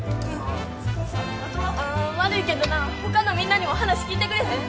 悪いけどな他のみんなにも話聞いてくれへん？